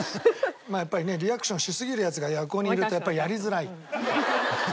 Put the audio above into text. まあやっぱりねリアクションしすぎるヤツが横にいるとやっぱりやりづらい。